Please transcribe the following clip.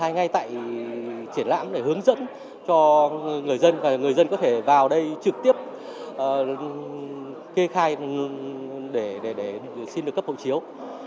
người dân có thể vào đây trực tiếp kê khai để xin được cấp hộ chiếu